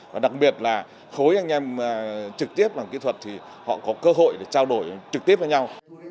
và đặc biệt là khối anh em trực tiếp bằng kỹ thuật thì họ có cơ hội để trao đổi trực tiếp với nhau